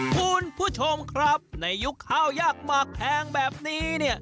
คุณผู้ชมครับในยุคข้าวยากหมากแพงแบบนี้เนี่ย